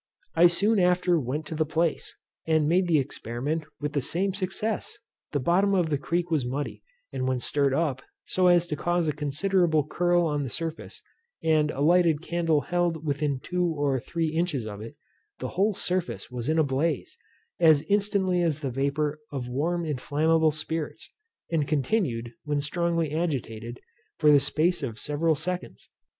I soon after went to the place, and made the experiment with the same success. The bottom of the creek was muddy, and when stirred up, so as to cause a considerable curl on the surface, and a lighted candle held within two or three inches of it, the whole surface was in a blaze, as instantly as the vapour of warm inflammable spirits, and continued, when strongly agitated, for the space of several seconds.